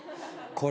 これ。